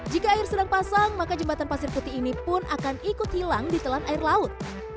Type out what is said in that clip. jika air sedang pasang maka jembatan pasir putih ini pun akan ikut hilang di telan air laut